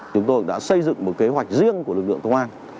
chúng tôi đã xây dựng một kế hoạch riêng của lực lượng công an